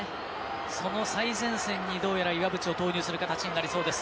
その最前線にどうやら岩渕を投入する形になりそうです。